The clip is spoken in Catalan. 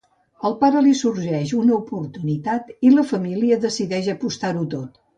Al pare li sorgeix una oportunitat i la família decideix apostar-ho tot.